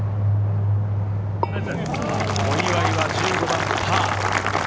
小祝は１５番パー。